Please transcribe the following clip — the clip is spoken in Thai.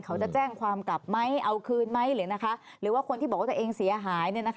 เขาจะแจ้งความกลับไหมเอาคืนไหมหรือนะคะหรือว่าคนที่บอกว่าตัวเองเสียหายเนี่ยนะคะ